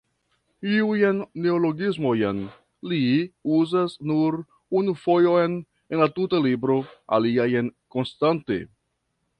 Iujn neologismojn li uzas nur unu fojon en la tuta libro, aliajn konstante.